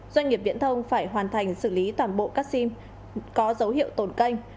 doanh nghiệp viễn thông phải hoàn thành xử lý toàn bộ các sim có dấu hiệu tồn canh